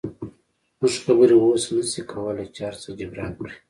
زموږ خبرې اوس نشي کولی چې هرڅه جبران کړي